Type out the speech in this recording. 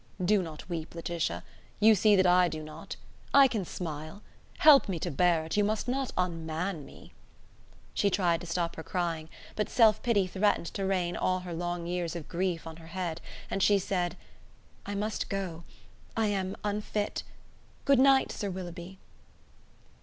"Do not weep, Laetitia, you see that I do not; I can smile. Help me to bear it; you must not unman me." She tried to stop her crying, but self pity threatened to rain all her long years of grief on her head, and she said: "I must go ... I am unfit ... good night, Sir Willoughby."